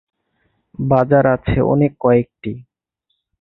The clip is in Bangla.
বাজার আছে অনেক কয়েকটি।